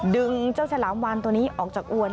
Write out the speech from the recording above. เจ้าฉลามวานตัวนี้ออกจากอวน